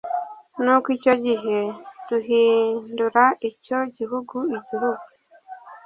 Nuko icyo gihe duhind ra icyo gihugu igihugu